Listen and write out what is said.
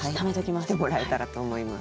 来てもらえたらと思います。